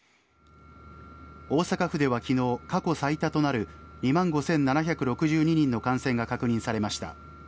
大阪府では昨日過去最多となる２万５７６２人の感染が確認されました。